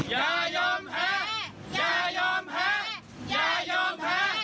เย็นนี้เจอกันนะคะ